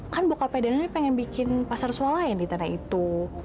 kan bokapai dany pengen bikin pasar sualaya di tanah itu